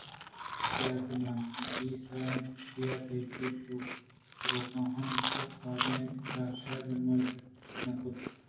چیاکہ منا بیسہ اِنت چہ تئی پت ءُ پیروکاں ہم کس پاد نئیت ءُ ترا شِرّ ءُ مُردار نہ کنت